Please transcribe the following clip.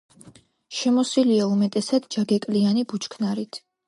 შემოსილია უმეტესად ჯაგეკლიანი ბუჩქნარით.